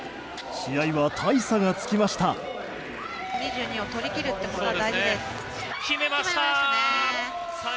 試合は大差がつきました。